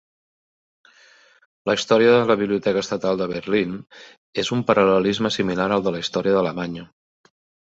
La història de la Biblioteca Estatal de Berlín és un paral·lelisme similar al de la història d'Alemanya.